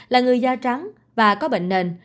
là người da trắng và có bệnh nền